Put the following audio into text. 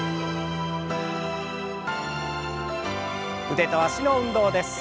腕と脚の運動です。